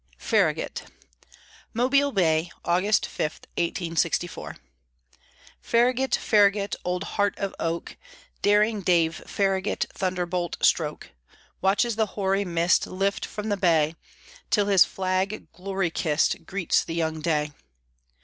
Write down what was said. FARRAGUT (MOBILE BAY, August 5, 1864) Farragut, Farragut, Old Heart of Oak, Daring Dave Farragut, Thunderbolt stroke, Watches the hoary mist Lift from the bay, Till his flag, glory kissed, Greets the young day.